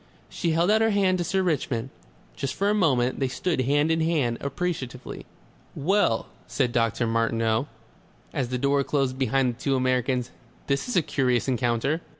She held out her hand to Sir Richmond. Just for a moment they stood hand in hand, appreciatively.... "Well!" said Dr. Martineau, as the door closed behind the two Americans, "This is a curious encounter."